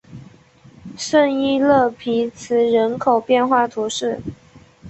圣伊勒皮兹人口变化图示